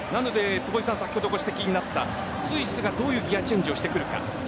坪井さん先ほどご指摘になったスイスがどういうギアチェンジをしてくるか。